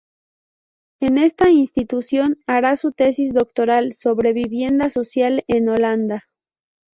En esta institución hará su tesis doctoral sobre vivienda social en Holanda.